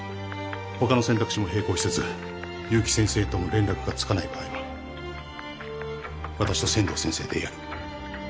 他の選択肢も並行しつつ勇気先生とも連絡がつかない場合は私と仙道先生でやる。